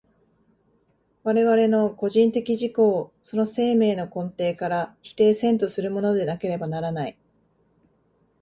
我々の個人的自己をその生命の根底から否定せんとするものでなければならない。